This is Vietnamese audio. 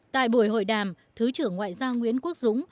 tại buổi hội đàm thứ trưởng ngoại giao nguyễn quốc dũng